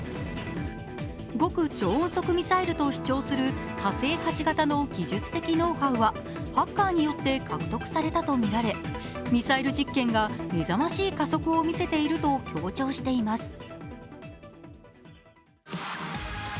極超音速ミサイルと主張する火星８型の技術的ノウハウはハッカーによって獲得されたとみられミサイル実験がめざましい加速をみせていると強調しています。